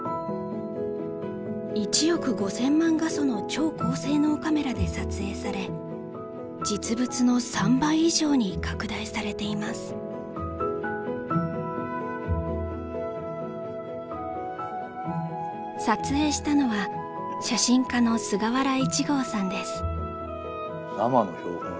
１億５，０００万画素の超高性能カメラで撮影され実物の３倍以上に拡大されています撮影したのは写真家の菅原一剛さんです